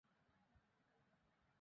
ও-সব আমাদের দেশের কিছুই নয়।